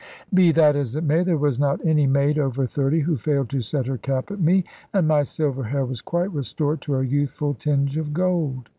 Be that as it may, there was not any maid over thirty who failed to set her cap at me, and my silver hair was quite restored to a youthful tinge of gold.